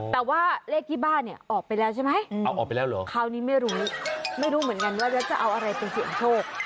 แต่ว่าเลขที่บ้านออกไปแล้วใช่ไหมคราวนี้ไม่รู้เหมือนกันว่าจะเอาอะไรเป็นเสียงโชค